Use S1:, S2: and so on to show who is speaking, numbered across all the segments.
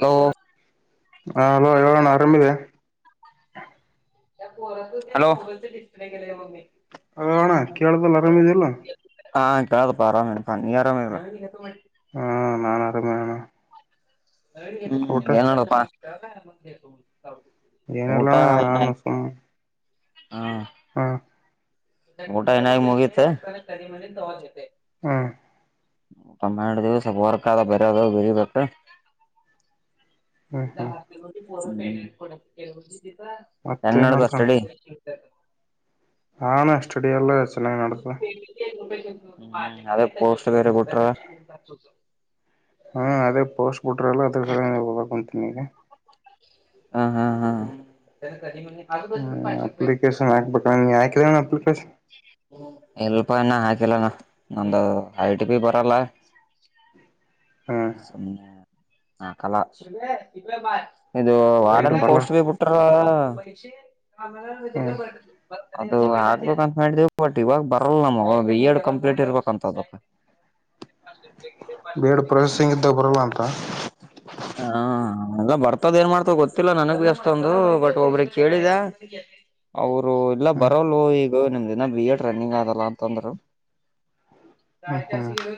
S1: Hello.
S2: ಹಾ hello ಹೇಳೋ ಅಣ್ಣ ಅರಾಮಿದಿಯ.
S1: ಹಲೋ.
S2: ಹಲೋ ಅಣ ಕೇಳ್ತುಲ್ ಆರಾಮಿದಿ ಇಲ್ಲ.
S1: ಹಾ [unintelligible] ಅರಾಮಿದಿನ್ ಪಾ ನೀ ಆರಾಮ್
S2: ಹ್ಮ ನಾನು ಅರಾಮ್ ಅಣ್ಣ.
S1: ಹ್ಮ್
S2: ಊಟ
S1: ಏನ್ ಹೇಳೋದ್ಪ.
S2: ಏನ್ ಇಲ್ಲಣ [unintelligible] ಸುಮ್ನೆ.
S1: ಹಾ.
S2: ಹ್ಮ.
S1: ಊಟ [unintelligible] ಮುಗಿತ.
S2: ಹ್ಮ.
S1: ಊಟ ಮಾಡಿದೀವಿ ಸ್ವಲ್ಪ ಬರ್ಕದ ಬೆರದು ಬಿರಿಬೇಕು.
S2: ಹ್ಮ್ ಹ್ಮ್
S1: ಹ್ಮ್ಮ್. ಹೆಂಗ್
S2: ಮತ್ತೇನ್
S1: ನೆಡಿತಾವ್
S2: ನಡ್ದಣ
S1: ಸ್ಟಡಿ.
S2: ಹಾ ಅಣ್ಣ ಸ್ಟಡಿ ಎಲ್ಲ. ಚೆನ್ನಾಗ್ ನಡ್ದದ
S1: ಹ್ಮ ಅದೇ ಪೋಸ್ಟ್ ಬೇರೆ ಬುಟ್ರ.
S2: ಹ್ಮ ಅದೇ ಪೋಸ್ಟ್ ಬಿಟ್ರಲ್ಲ ಅದ್ರ ಸಲ ಹೊಡಕುಂತಿನ್ ಇಗ.
S1: ಹ ಹಾ ಹಾ.
S2: ಹ್ಮ
S1: ಹಾ
S2: ಅಪ್ಲಿಕೇಶನ್ ಆಕ್ಬೇಕ ನೀ ಅಕಿದೆನಣ್ಣ ಅಪ್ಲಿಕೇಶನ್.
S1: ಅಪ್ಪ ನಾ ಹಾಕಿಲ್ಲ ನ ನಂದು ಐ ಟಿ ಪಿ ಬರಲ್ಲ.
S2: ಹ್ಮ್
S1: ಸುಮ್ನೆ ಅಕಲ್ಲ. ಇದು
S2: ಐಡಿ
S1: ವಾರ್ಡನ್
S2: ಬರಲ್ಲ
S1: ಪೋಸ್ಟ್ ಗೇ ಬುಟ್ಟಾರಲ. [unintelligible]
S2: ಹ್ಮ್
S1: ಅದು ಆಗ್ಬೇಕಂತ್ ಮಾಡ್ದೆ ಬಟ್ ಇವಾಗ ಬರಲ್ ನಾಮವು ಬಿ ಎಡ್ ಕಂಪ್ಲೀಟ್ ಇರ್ಬೇಕಂತದಕ್. [inaudible]
S2: [unintelligible] ಇದಾಗ ಬರಲ್ಲ ಅಂತ.
S1: ಹಾ ಅದ ಬರ್ತದ ಏನ್ ಮಾಡ್ತಾವ್ ಗೊತ್ತಿಲ್ಲ ನನಗು ಅಷ್ಟೊಂದು ಬಟ್ ಒಬ್ರಿಗ್ ಕೇಳಿದೆ. ಅವ್ರು ಇಲ್ಲ
S2: ಹ್ಮ್
S1: ಬರೋಲೋ ಈಗ ನಿಮ್ದಿನ ಬಿ ಎಡ್ ರನ್ನಿಂಗ್ ಆದಲ್ಲ ಅಂತಂದ್ರು.
S2: ಹ್ಮ್ ಹ್ಮ್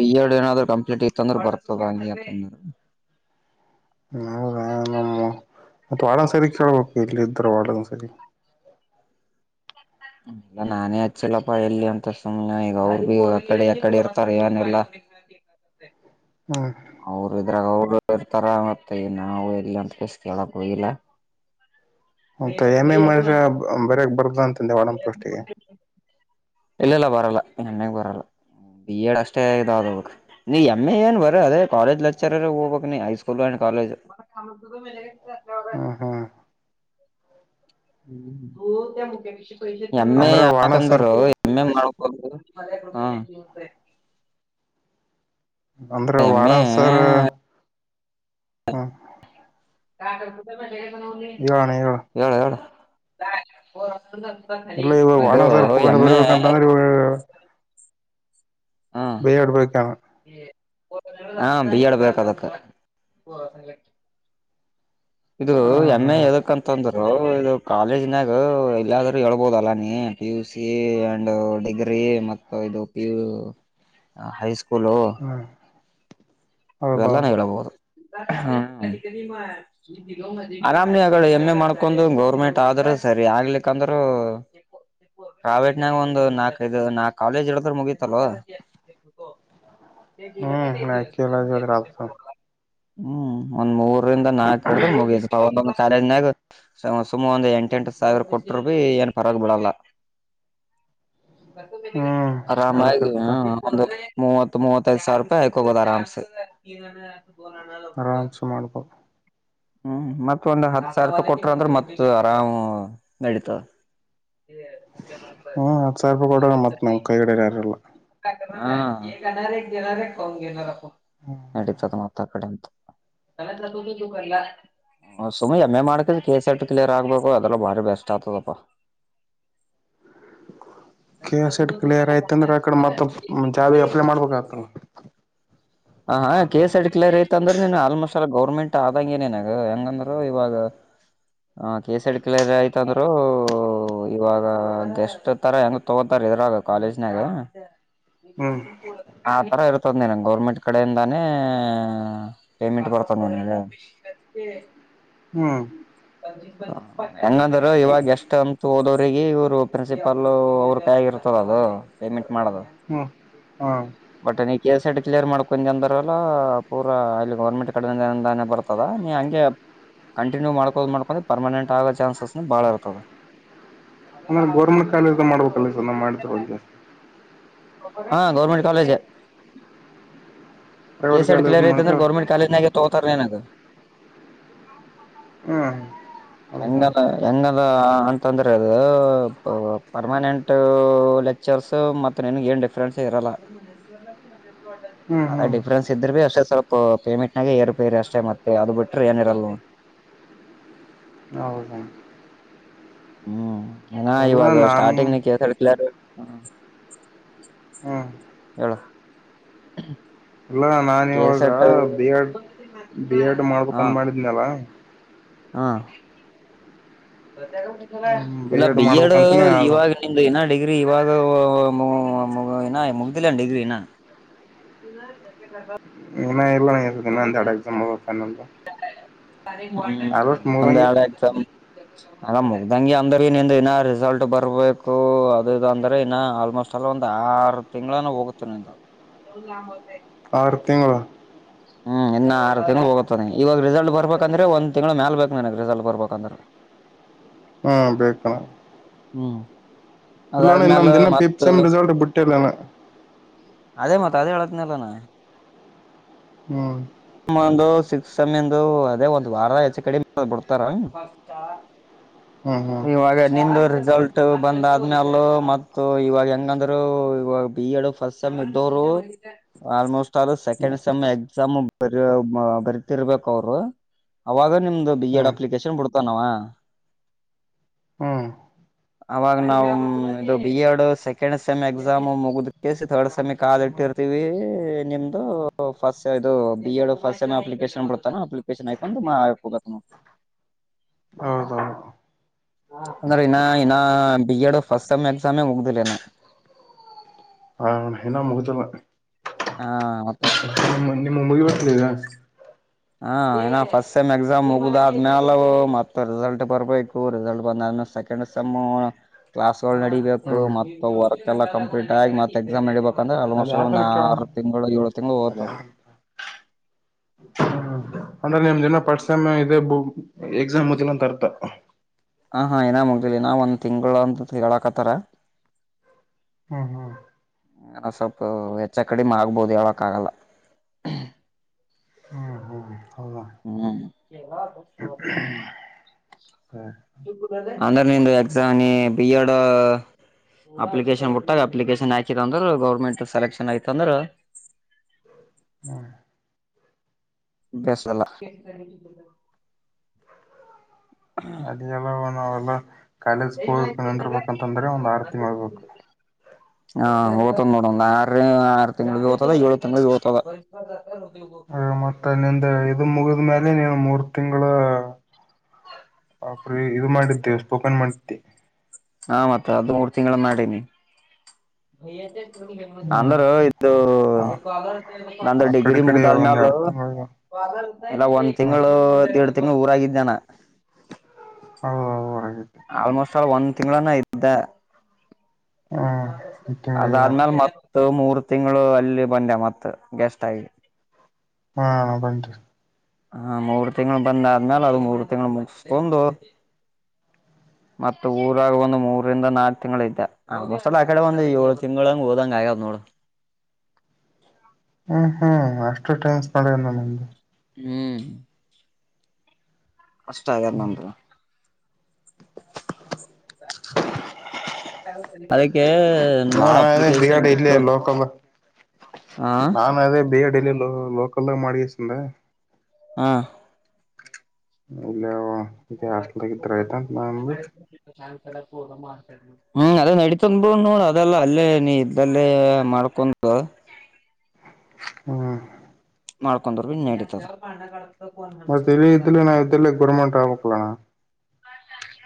S1: ಬಿ ಎಡ್ ಏನಾದ್ರು ಕಂಪ್ಲೀಟ್ ಇತಂದ್ರೆ. [unintelligible]
S2: ಹೌದ ನಮ್ಮ ವಾರ್ಡನ್ ಸರ್ರಿಗ್ ಕೇಳ್ಬಕು ಇಲ್ಲಿ ಇದ್ರು ವಾರ್ಡನ್ ಸರ್.
S1: ಹ್ಮ್ಮ್ ನಾನೇ ಹಚ್ಚಿಲ್ಲಪ್ಪಾ ಎಲ್ಲಿ ಅಂತ ಸುಮ್ನೆ ಈಗ ಅವರು ಅಕಡೆ ಯಕಡೆ ಇರ್ತಾರ್ ಏನಿಲ್ಲ. [inaudible]
S2: ಹ್ಮ.
S1: ಅವರು ಇದ್ರಾಗ ಅವರು ಇರ್ತಾರ ಮತ್ತೆ ನಾವು ಎಲ್ಲಿ ಅಂತ ಕೆಸ್ ಕೇಳಕ್ ಹೋಗಿಲ್ಲ. [inaudible]
S2: ಮತ್ತ ಎಮ್ ಎ ಮಾಡಿದ್ರ ಬರಿಯಾಕ್ ಬರ್ದ ಅಂತ್ ಅಂದ್ರ ವಾರ್ಡನ್ ಪಾಸ್ಟಿಗೆ.
S1: ಇಲ್ಲ ಇಲ್ಲ ಬರಲ್ಲ ಎಮ್ ಎ ಬರಲ್ಲ. ಬಿ ಎಡ್ ಅಷ್ಟೇ ಇದಾಗಿರ್ಬಕ್ ನೀ ಎಮ್ ಎ ಏನ್ ಬರೆ ಅದೇ ಕಾಲೇಜ್ ಲೆಕ್ಚರರಿಗ್ ಹೋಬಕ್ ನೀ ಹೈ ಸ್ಕೂಲ್ ಅಂಡ್ ಕಾಲೇಜ್.
S2: ಹ್ಮ ಹ್ಮ.
S1: ಎ ಎ
S2: ಅಂದ್ರ ವಾರ್ಡನ್ ಸರ್
S1: ಯಾಕಂಗರು ಎ ಮಾಡ [inaudible] [inaudible]
S2: ಅಂದ್ರೆ ವಾಡಸರ್ ಹ್ಮ
S1: ಎ ಹೇಳ
S2: ಇಲ್ಲ ಇವ
S1: [inaudible]
S2: ವಾರ್ಡನ್ ಸರ್
S1: ಅದು
S2: ಪೋಸ್ಟ್
S1: ಎಮ್ಮೆ
S2: ಬರಿಬೇಕಂತಂದ್ರೆ ಇವ ಬೋಡಪಕ್ಕಾಮ
S1: ಹಾ ಬಿ ಆಡ್ ಬೇಕಾದುಕ್ ಇದರು ಎಂ ಏ
S2: ಹ್ಮ್
S1: ಎದಕ್ಂತಂದರು ಇದು ಕಾಲೇಜ್ ನಾಗ ಇಲ್ಲಾದ್ರೂ ಹೇಳ್ಬಹದ ಅಲ್ಲ ನೀ P U C and degree ಮ ಇದು ಪಿ ಯು ಹೈಸ್ಕೂಲ್
S2: ಹ್ಮ್ ಹ್ಮ್
S1: ಇವೆಲ್ಲಾನ
S2: ಹೌದೌದು
S1: ಹೇಳಬಹುದು ಹ ಆರಾಮ ಎಮ್. ಎ ಮಾಡ್ಕೊಂಡು ಗೌರ್ಮೆಂಟ್ ಆದರ ಸರಿ ಆಗ್ಲಿಕ್ಕಂದ್ರೂ ಪ್ರಾವೇಟ್ನಾಗ ಒಂದು ನಾಕ ಇದು ನಾ ಕಾಲೇಜ್ ಇದು ಮುಗತಲ್ವ ಗಲ್ಲ ದಿವಸ [inaudible]
S2: ರ [inaudible]
S1: ಹ್ಮ್ ಒಂದ್ ಮೂರಿಂದ ನಾಕು ಹಡ ಮುಗಿತು ಸದಿನಯಾಗ ಸುಮ ಒಂದ್ ಎಂಟ ಎಂಟು ಸಾವಿರ ಕೊಟ್ಟರು ಭ ಏನ್ ಪರಕ ಬೀಳಲ್ಲ [inaudible]
S2: ಹ್ಮ್ ಅದ
S1: ಆರಾಮಾಗಿ
S2: ಕರೆಕ್ಟ್
S1: ಒಂದು ಮೂವತ್ತು ಮೂವತೈದು ಸಾವಿರ ರೂಪಾಯಿ ಆಯಕ್ ಹೋಗೋದ ಆರಾಮ್ಸೆ ಈ
S2: ಆರಾಮ್ಸ ಮಾಡ್ಬೋ
S1: ಹ್ಮ್ ಮತ್ತ ಒಂದ್ ಹತ್ ಸಾವಿರ ರೂಪಾಯಿ ಕೊಟ್ರ ಅಂದ್ರೆ ಮತ್ತ ಆರಾಮ್ ನಡತಾವ
S2: ಹ್ಮ್ ಮತ್ತ ಹತ್ತ ಸಾವಿರ ಕೊಟ್ರ ಮತ್ತ ನ ಕೈಗಡೆರಾರಲ್ಲ
S1: ಕ ನಟತ್ತ ಕಡೆ ಚಲ ಲತಟ ತುಕಲ [inaudible] ಸುಮ್ನೆ ಎಮ್ ಎ ಮಾಡ್ಕ ಕೆ ಎಸ್ ಎರ್ ಕ್ಲಿಯರ್ ಆಗ್ಬೇಕು ಅದೆಲ್ಲ ಭಾರಿ ಬೆಸ್ಟ್ ಆಗ್ತದಪ
S2: ಕಸೆಟ್ ಕ್ಲಿಯರ್ ಆಯ್ತಂದ್ರಕ ಮತ್ತ ಜಾಬ್ ಅಪ್ಲೈ ಮಾಡ್ಬೇಕ ಆತ
S1: ಹ ಹಾ ಕೇಸ್ ಅಡ್ಕ್ಲರ್ ಐತಂದ್ರೆ ನೀನ್ ಆಲ್ಮೋಸ್ಟ್ ಎಲ್ಲ ಗೌರ್ಮೆಂಟ್ ಆದಂಗಗೆ ನನ್ಗ ಹೆಂಗಂದ್ರರು ಇವಾಗ ಹ ಕೇಸ್ ಅಡ್ ಕ್ಲಿಯರ್ ಆಯ್ತಂದ್ರು ಇವಾಗ ಗೆಸ್ಟ್ ತರ ಹೆಂಗ ತಗೋತಾರ ಇದ್ರಾಗ ಕಾಲೇಜನಾಗ
S2: ಹ್ಮ್
S1: ಆ ತರ ಇರ್ತದ ನೀ ನಂಗೆ ಗೌರ್ಮೆಂಟ್ ಆ ಕಡೆಯಿಂದಾನೇ ಪೇಮೆಂಟ್ ಬರ್ತಾನ ನನ
S2: ಹ್ಮ್
S1: ಹೆಂಗಂದಾರ ಇವಾಗ ಎಷ್ಟ ಅಂತ ಓದೋ ಅವರಿಗೆ ಇವರು ಪ್ರಿನ್ಸಿಪಾಲ್ ಅವ್ರ ಕಾಯಗ ಇರತದ ಅದು ಪೇಮೆಂಟ್ ಮಾಡ
S2: ಹ್ಮ್ ಹ್ಮ್
S1: ಬಟ್ ನೀ ಕೆಸೆಟ್ ಕ್ಲಿಯರ್ ಮಾಡ ಕುಂದನರಲ್ಲ ಪೂರಾ ಇಲ್ಲಿ ಗೌರ್ಮೆಂಟ್ ಕಡೆಯಿಂದನಾನ ಬರ್ತದ ನೀ ಹಂಗೆ ಕಂಟಿನ್ಯ ಮಾಡಕೋ ಮಾಡ್ಕೊಂಡ್ರ ಪರ್ಮನೆಂಟ್ ಆಗೋ ಚಾನ್ಸ್ ಬಳಾರ ಕಲ್ಲ
S2: ಅಂದ್ರೆ ಗೌರ್ಮೆಂಟ್ ಕಾಲೇಜ್ ಮಾಡ್ಬೇಕಲ್ಲ ಸರ್ ನಾವು ಮಾಡ್ತಿರೋ ಜಾಸ್ತಿ
S1: ಹಾ government college
S2: private
S1: KSET
S2: college
S1: clear ಐತೆ
S2: ಮಾಡಿದ್ರೆ
S1: ಅಂದ್ರೆ
S2: ಅವ್ರು
S1: ಗೌರ್ಮೆಂಟ್ ಕಾಲೇಜನಾಗ ತಗೋತಾರ ನನದು
S2: ಹ್ಮ್ ಹೌದಾ
S1: ಹೆಂಗಲ್ಲ ಹೆಂಗಲ್ಲ ಅಂತಂದ್ರೆ ಅದು ಪರ್ಮನೆಂಟ್ ಲೆಕ್ಚರ್ಸ್ ಮ ನಿನ್ಗೆ ಏನ್ ಡಿಫ್ರನ್ಸ್ ಇರಲ್ಲ
S2: ಹ್ಮ್
S1: ಅ
S2: ಹ್ಮ್
S1: [inaudible] ಅಷ್ಟೇ ಸ್ವಲ್ಪ ಪೇಮೆಂಟ್ ನಾಗ ರೂಪಿ ರರಿ ಅಷ್ಟೇ ಮತ್ತೆ ಅದು ಬಿಟ್ರೆ ಏನಿರಲ್
S2: ಹೌದಾ
S1: ಹ್ಮ್ ಏನ
S2: ಎಲ್ಲ
S1: ಇವಾಗ
S2: ನಾನು
S1: ಸ್ಟಾರ್ಟಿಂಗ್ನ ಕಸ ಹ್ಮ [inaudible]
S2: ಹ್ಮ್
S1: [inaudible]
S2: ಇಲ್ಲ ನಾನು ಇವಾಗ
S1: ಕಸಟ್ಟ
S2: ಬಿ ಎಡ್ ಬಿ ಎಡ್
S1: ಹಾ
S2: ಮಾಡ್ಬೇಕಂತ ಮಾಡಿದ್ನಲ್ಲ
S1: ಹಾ ಇಲ್ಲ ಬಿ ಎಡ್ ಇವಾಗ ನಿಮ್ದು ಇನಡಿ ್ರಿ ಇವಾಗ ಮುಗ್ದಿಲ್ಲ ಡಿಗ್ರಿ ನ ಪುನಃ ನಗಬ
S2: ಎಲ್ಲ ಇಲ್ಲ ಇನ್ನ ಒಂದೆರಡು ಎಕ್ಸಾಮ್ ಓದತಾನಂತ ಆಲ್ಮೋಸ್ಟ್
S1: ಅಂದ
S2: ಮುಗಂಗೆ
S1: ಆಡ ಎಸ ಅಲ್ಲ ಮುಗ್ದಂಿ ಅಂದ್ರ ನಿ ಇನ್ನ ರಿಸಲ್ಟ್ ಬರ್ಬೇಕು ಅದುದು ಅಂದ್ರೆ ಇನ್ನ ಆಲ್ಮೋಸ್ಟ್ ಅಷ್ಟಲ್ಲ ಒಂದ ಆರು ತಿಂಗಳಾನ ಹೋಗುತ್ತೇ
S2: ಆರು ತಿಂಗ
S1: ಹ್ಮ್ ಇನ್ನ ಆರು ತಿಂಗಗಳುಳ ಹೋಗುತ್ತಾನ ಇವಾಗ ರಿಸಲ್ಟ್ ಬರ್ಬೇಕಂದ್ರೆ ಒಂದ್ ತಿಂಗಗಳು ಮೇಲ್ ಬಬೇಕಕ್ ನನ್ಗ್ ರಿಸಲ್ಟ್ ಬರ್ಬೇಕಂದ್ರೆ
S2: ಹ್ಮ್ ಬೇಕುಣ
S1: ಹ್ಮ ಅದಾದ್ಮೇಲೆ
S2: ಪಿಪ್
S1: ಮತ್ತ
S2: ಸೆಮ್ ರಿಸಲ್ಟ್ ಬಿಟ್ಟಿಲ್ಲಣ್ಣ
S1: ಅದೇ ಮತ್ತ ಅದೇ ಹೇಳ ನಲ್ಲ ನಾ
S2: ಹ್ಮ್
S1: ಂದು ಸಿಕ್ಸ್ ಸಮಯಂದು ಅದೇ ಒಂದ್ ವಾರ ಹೆಚ್ಚು ಕಡೆ ಬಿಡ್ತಾರ
S2: ಹ್ಞೂ ಹ್ಞೂ
S1: ಇವಾಗ ನಿಂದವ್ರ ರಿಸಲ್ಟ್ ಬಂದ ಆದ್ಮೇ ಅಲ್ಲ ಮ ಇವಾಗ ಹೆಂಗಂದ್ರು ಇವಾಗ ಬಿ ಎಡ್ ಫಸ್ಟ್ ಸೆಮ್ ಇದ್ದವರು ಆಲ್ಮೋಸ್ಟ್
S2: ಹ್ಞೂ
S1: ಸೆಕೆಂಡ್ ಸೆಮ್ ಎಕ್ಸಾಮ್ ಬ ಬರಿತಿರ್ಬೇಕು ಅವರು ಅವಾಗ ನಿಮ್ದು ಬಿ ಎಡ್
S2: ಹ್ಞೂ
S1: ಅಪ್ಲಿಕೇಶನ್ ಬಿಡ್ತನವ
S2: ಹ್ಮ್
S1: ಅವಾಗ ನಾವವು ಇದು B Ed second sem exam ಮುಗಕ ಥರ್ಡ್ ಸೆಮಿ ಕಾಲಿ ಇಟ್ಟಿರ್ವಿ ನಿಮ್ದು ಫಸ್ಟ್ ಇದು ಈ ಫಸ್ಟ್ ಟೈಮ್ ಅಪ್ಲಿಕೇಶನ್ ಬಿಡ್ತಾನ ಅಪ್ಲಿಕೇಶನ್ ಆಯಕೊಂಡು ಆ
S2: ಹೌದೌದು
S1: ಅಂದ ಇ ಇ ಬಿಡ್ ಪಫಸ್ಟ್ ಸೆಮ್ ಎಕ್ಸಾಮೆ ಉಗ್ದಿಲನಾ
S2: ಹ ಏನ ಮುಗತಲ್ಲ
S1: ಹಾ ಮತ್ತ
S2: ನಿಮ್ಮ ಮುಗಬೇಕಕ್ಲಗ [inaudible]
S1: ಹ ಏನ ಫಸ್ಟ್ ಸೆಮ್ ಎಕ್ಸಾಮ್ ಮುಗ್ದಾದ್ಮೇಾಲವು ಮತ್ತತ್ ರಿಸಲ್ಟ್ ಬರ್ಬೇಕು ರಿಸಲ್ಟ್ ಬಂದ ಕ ನಡೀಬೇಕು
S2: ಹ್ಮ್
S1: ಮತ್ತ ವರ್ಕ್ ಎಲ್ಲ ಕಂಪ್ಲೀಟ್ ಆಗಿ ಮತ್ತ ಎಕ್ಸಾಮ್ ನಡಬೇಕು ಯಾಂದ್ರೆ
S2: ಅದ
S1: ಆಲ್ಮೋಸ್ಟ್ ಅಲ್ಲಿ
S2: ಯಾರ್ದನ
S1: ಒಂದಂದು
S2: ಕೇಳ
S1: ಆರು ತಿಂಗಳು ಏಳು ತಿಂಗಳು ಹಓ್ತದೆ
S2: ಹ ಅಂದ್ರೆ ನಿಮ್ದಿನ ಪರ್ಸ ಇದೆ ಎಕ್ಸಾಮ ಮಚ್ಚಲ್ಲಾ ತರತ
S1: ರಳ ಕತರ
S2: ಹ್ಮ್ ಹ್ಮ್
S1: ಸ್ವಲ್ಪ ವೆಚ್ಚ ಕಡಿಮೆ ಆಗ್ಬೋದು ಹಳ್ಕ್ ಆಗಲ್ಲ
S2: ಹ್ಮ್ ಹ್ಮ ಹೌದ
S1: ಹ್ಮ್
S2: ಸರಿ
S1: ಅಂದ್ರ ನಿಂದು ಎಕ್ಸಾಮ್ಿ ಬಿಎಡ್ ಅಪ್ಲಿಕೇಶನ್ ಬಿಟ್ಟಾಗ ಅಪ್ಲಿಕೇಶನ್ ಹಾಕಿದ ಅಂದ್ರೆ ಗೌರ್ಮೆಂಟ್ ಸೆಲೆಕ್ಷನ್ ಆಯ್ತಂದ್ರೆ
S2: ಹ್ಮ
S1: ಬಸ ಅಲ್ಲ
S2: ಅದ ಎಲ್ಲಣಲ್ಲ ಕಾಲೇಜ್ ಹೋಗಕ್ ಅಂತರ್ಬೇಕಂತಂದ್ರೆ ಒಂದು ಆರು ತಿಂಗ್ ಆ್ಬೇಕು
S1: ಹಾ ಓ್ತದ್ ನೋಡ ಒ್ ಆರು ಆರು ತಿಂಗಳು ಭ ಓ್ತದ ಏಳು ತಿಂಳ ಭ ಓ್ತದ
S2: ಹ ಮತ್ತೆ ನಿಂದೆ ಇದು ಮುಗಿದ್ಮೇಲೆ ನೀನು ಮೂರ್ ತಿಂಗಳ ಅಪ್ರ ಇದು ಮಾಡಿದ್ದೆ ಸ್ಪೋಕನ್ ಮಾಡಿದ್ದ
S1: ಹಾ ಮತ್ತೆ ಅದು ಮೂರ್ ತಿಂಗಳ ನಾಡಿನಿ ಭಯ
S2: ಹ್ಮ್
S1: ಅಂದ್ರ ಇದದು
S2: ಆ
S1: ನಂದ
S2: ಆ ಕಡೆ
S1: ಡಿಗ್ರಿ
S2: ಕಡೆ ಒಂದ್
S1: ಮುಗ್ದಾದ್ಮ್ಯಾಲ
S2: ಎರಡ್ ತಿಂಗಳ
S1: ಇಲ್ಲ ಒಂದ್
S2: ಹ್ಮ್
S1: ತಿಂಗಳು ಎರಡು ತಿಂಗಳು ಊರಾಗಿದ್ದಾನ
S2: ಹಓ
S1: ಆಲ್ಮೋಸ್ಟ್ ಅಲ್ ಒಂದ್ ತಿಂಗಗಳಾನ ಇದ್ದ
S2: ಹ್ಮ್ ತಿಂಗಳ
S1: ಅದಾದ್ಮೇಾಲ ಮತ್ತ ಮ ಮೂರು ತಿಂಗಳು ಅಲ್ಲಿ ಬಂದೆ ಮತ್ತ ಗೆಸ್ಟ್ ಆಐ
S2: ಹಾ ಬಟು
S1: ಹಾ ಮೂರು ತಿಂಗಳು ಬಂದ ಆದ್ಮೇಾಲ ಅದು ಮೂರು ತಿಂಗಗಳು ಮುಗಿಸಕೊಂಡ ಮತ್ತ ಊರಾಗ ಒಂದು ಮೂರಿಂದ ನಾಲ್ಕು ತಿಂಗಳು ಇದ್ದ ಅ ಆಡೆ ಒಂದು ಏಳು ತಿಂಗಳಗೆ ಹೋದಂಗ ಆಗಾದ್ ನೋಡಿ
S2: ಷ್ಟ ಟ್ರನ್ಸ್ ಮಾಡ ನಿಮಗೆ
S1: ಹ್ಮನ್ ಅಷ್ಟ ಆಗಾದ ನಂತರ ಅದಕ್ಕೆ ನೋಡ್
S2: ನಾನು
S1: ಅಪ್ಲಿಕೇಶನ್ ಹಾ
S2: ನಾ ಅದೇ ಬೇಡಲ್ಲಿ ಲೋಕಲ್ಾಗ ಮಾಡಿ್ರೆ
S1: ಹಾ
S2: ಇಲ್ಲ ಇ ಹಾಸ್ಟಲ್ಗ ತ್ರಐತಂತೆ ನಾನು
S1: ಹ್ಮ್ ಅದ ನಡಿತಂದ್ಬ ನೋಡ್ ಅದೆಲ್ಲ ಅಲ್ಲೇ ನೀ ಇದ್ದಲ್ಲೇ ಮಾಡ್ಕ ಕುಂದು
S2: ಹ್ಮ
S1: ಮಾಡ್ಕೊಂಡರು ಬಿ ಇನ್ಡತದ
S2: ಮತ್ತೆಲ್ಲಿ ಇಲ್ಲ ನಾ ಇದಲ್ಲ ಗೌರ್ಮೆಂಟ್ ಆಗಕಲ್ಲಣ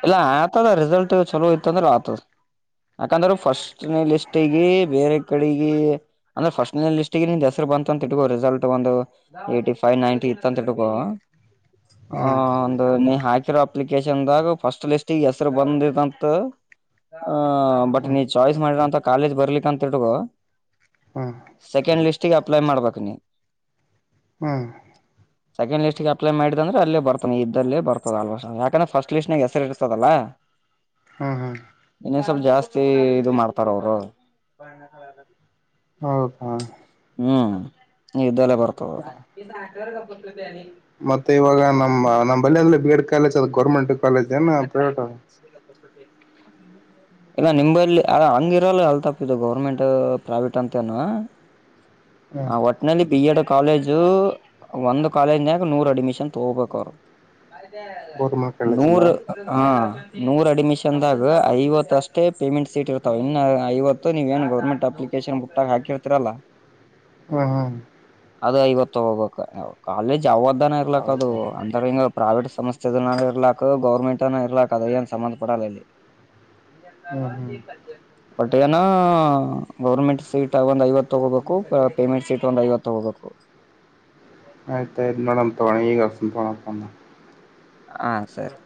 S1: ಇಲ್ಲ ಆತದ ರಿಸಲ್ಟ್ ಚಲೋ ಇತ್ತ ಅಂದ್ರೆ ಆತದ ಯಾಕಂದ್ರೆ ಫಸ್ಟ್ ಲಿಸ್ಟಗ ಬೇರೆ ಕಡೆಗ ಅಂದ್ರೆ ಫಸ್ಟ್ ಲಿಸ್ಟಿಗೆ ನಿ ಹೆಸರು ಬಂತ ಅಂತ ಇಟ್ಕೋ ರಿಸಲ್ಟ್ ಒಂದು ಏಟಿ ಫೈವ್ ನೈಂಟಿ ಇತ್ತ ಅಂತ ಇಟ್ಕೋ ಹ
S2: ಹ್ಮ್
S1: ಒಂದು ನೀ ಹಾಕಿರೋ ಅಪ್ಲಿಕೇಶನ್ದಾಗ ಫಸ್ಟ್ ಲಿಸ್ಟಿಗೆ ಹೆಸರು ಬಂದಿದಂತ ಆ ಬಟ್
S2: ಹ್ಮ್
S1: ನೀ ಚಾಯ್ಸ್ ಮಾಡಿರೋಂತ ಕಾಲೇಜ್ ಬರ್ಲಿಕ್ಕೆ ಅಂತು
S2: ಹ್ಮ್
S1: ಸೆಕೆಂಡ್ ಲಿಸ್ಟ್ ಅಪ್ಲೈ ಮಾಡ್ಬೇಕ ನೀ
S2: ಹಾ
S1: ಸೆಕಂಡ್ ಲ್ಟ್ಗೆ ಅಪ್ಲೈ ಮಾಡ ಅಂದ್ರೆ ಅಲ್ಲ ಬರ್ತ ನೀ ಇದಲ್ಲೇ ಬರ್ತದ ಅಲ್ ಯಾಕಂದ್ರೆ ಫಸ್ಟ್ ಲೀಿಸ್ ನಾಗ ಹೆಸರಿ ಇರ್ತದಲ್ಲಾ
S2: ಹಾ ಹಾ
S1: ಇ ಸ್ವಲ್ ಜಾಸ್ತಿ ಇದು ಮಾಡ್ತಾರ ಅವರು
S2: ಹೌದಾ
S1: ಹ್ಮ್ ಇದ್ದಲ್ಲ ಬರ್ತದ
S2: ಮತ್ತೆ ಇವಾಗ ನಮ್ಮ್ ನಮ್ಮ್ಳ್ಳಯಂದ ಬಿ ಎಡ್ ಕಾಲೇಜ್ ಅದು ಗೌರ್ಮೆಂಟ್ ಕಾಲೇಜ್ ಏನ ಪ್ರೈವೇಟ್
S1: ಇಲ್ಲ ನಿಲ್ಲಿ ಹಂಗ ಇರಲ್ಲ ಎಲ್ ತಪ್ಪು ಗೌರ್ಮೆಂಟ್ ಪ್ರೈವೇಟ್ ಅಂತ ಂತನು ಆ
S2: ಹ್ಮ್
S1: ಒಟ್ಟನಲ್ಲಿ ಬಡ ಕಾಲೇಜು ಒಂದು್ ಕಾಲೇಜ್ನ್ಯಾಗ ನೂರ ಅಡ್ಮಿಷನ್ ತಗೋಬೇಕ ಅವ್ರ
S2: ಗೌರ್ಮೆಂಟ್ ಕಾಲೇಜಿಂದ
S1: ನೂರು ಹಾ ನೂರ ಅಡ್ಮಿಷನ್ದಾಗ ಐವತ್ತಷ್ಟೇ ಪೇಮೆಂಟ್ ಸೀಟ್ ಇರ್ತಾವ ಇನ್ನು ಐತ್ತು ನೀವೇಏನು ಗೌರ್ಮೆಂಟ್ ಅಪ್ಲಿಕ ೇಶನ್ ಮುುಟ್ಟಾಗ ಹಾಕಿರ್ತಿರಲ್ಲಾ
S2: ಹ್ಮ
S1: ಅದ ಐವತ್ತು ತಗೋಬೇಕವು ಕಾಲೇಜ್ ಅವಾದ್ದಾನ ಇರ್ಲಕ್ ಅದು
S2: ಹೌದಾ
S1: ಅಂತರ ಹಿಂಗ ಪ್ರೈವೇಟ್ ಸಂಸ್ಥೆದನ ಇರ್ಲಾಕ್ ಗೌರ್ಮೆಂಟ್ ಅನ ಇರ್ಲಾಕ್ ಅದ ಏನ್ ಸಂಬಂಧ ಪಡಲ್ಲ ಇಲ್ಲಿ
S2: ಹ್ಮ್
S1: ನೀ
S2: ಹ್ಮ್
S1: ಎ ಒಟ್ಟೆಯನ ಗೌರ್ಮೆಂಟ್ ಸೀಟ್ ಒಂದ್ ಐವತ್ತು ತಗೋಬೇಕು ಪೇಮೆಂಟ್ ಸೀಟ್ ಒಂದ್ ಐವತ್ತು ತಗೋಬೇಕು
S2: ಆಯ್ತನ್ನೋಡ ತೋಣ ಈ ಕಸ ತೋಣ
S1: ಹಾ ಸರಿ